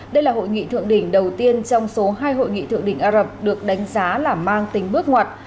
đây là hội nghị thượng đỉnh đầu tiên trong số hai hội nghị thượng đỉnh á rập được đánh giá là mang tính bước ngoặt